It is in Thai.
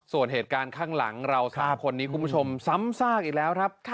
ส่วนเหตุการณ์ข้างหลังเรา๓คนนี้คุณผู้ชมซ้ำซากอีกแล้วครับ